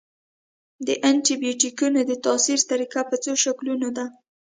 د انټي بیوټیکونو د تاثیر طریقه په څو شکلونو ده.